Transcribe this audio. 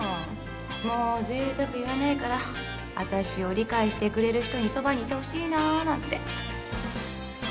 もうぜいたく言わないから私を理解してくれる人にそばにいてほしいななんて。